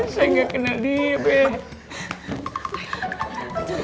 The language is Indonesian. saya gak kenal dia bek